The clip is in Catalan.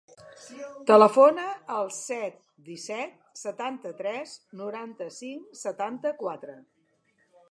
Telefona al set, disset, setanta-tres, noranta-cinc, setanta-quatre.